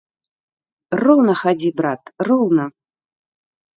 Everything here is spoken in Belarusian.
Роўна хадзі, брат, роўна!